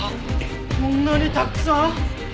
こんなにたくさん！？